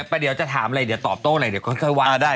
ไปเดี๋ยวจะถามอะไรเดี๋ยวตอบโต้อะไร